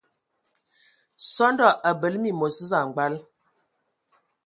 Sɔndɔ a bəle məmos samgbal.